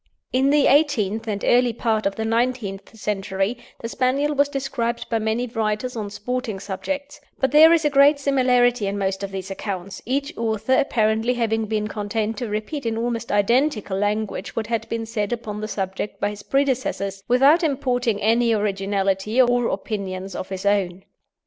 In the eighteenth and early part of the nineteenth century the Spaniel was described by many writers on sporting subjects; but there is a great similarity in most of these accounts, each author apparently having been content to repeat in almost identical language what had been said upon the subject by his predecessors, without importing any originality or opinions of his own.